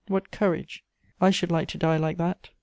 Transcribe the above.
What courage! I should like to die like that!"